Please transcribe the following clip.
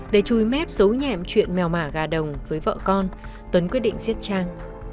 để chui mép dấu nhẹm chuyện mèo mả gà đồng với vợ con tuấn quyết định giết trang